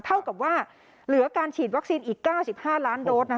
เท่ากับว่าเหลือการฉีดวัคซีนอีก๙๕ล้านโดส